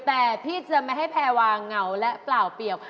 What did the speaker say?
แต่พี่จะไม่ให้แพรวาเหงาและเปล่าเปียก